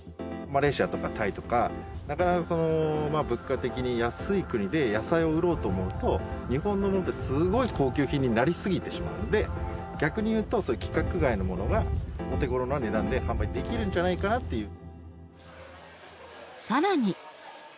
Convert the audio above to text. マレーシアとかタイとか、なかなか物価的に安い国で野菜を売ろうと思うと、日本のものってすごい高級品になり過ぎてしまうので、逆にいうと、そういう規格外のものがお手頃な値段で販売できるんじゃないかなさらに。